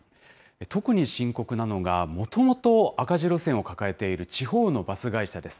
特に深刻なのが、もともと赤字路線を抱えている地方のバス会社です。